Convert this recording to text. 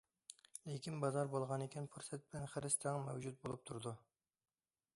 لېكىن بازار بولغانىكەن پۇرسەت بىلەن خىرىس تەڭ مەۋجۇت بولۇپ تۇرىدۇ.